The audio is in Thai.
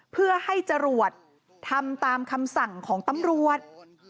เพื่อให้จรวดทำตามคำสั่งของตำรวจ